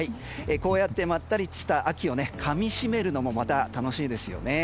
こうやってまったりした秋をかみしめるのもまた楽しいですよね。